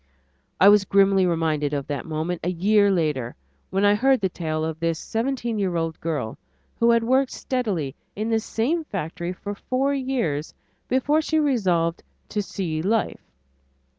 I was grimly reminded of that moment a year later when I heard the tale of this seventeen year old girl, who had worked steadily in the same factory for four years before she resolved "to see life."